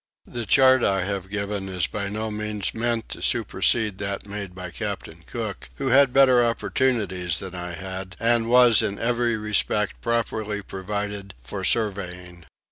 The chart I have given is by no means meant to supersede that made by Captain Cook, who had better opportunities than I had and was in every respect properly provided for surveying.